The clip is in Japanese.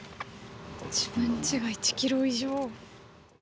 自分ちが１キロ以上。